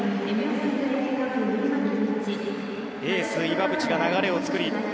エース、岩渕が流れを作り